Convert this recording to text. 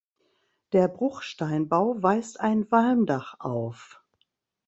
Der Bruchsteinbau weist ein Walmdach auf.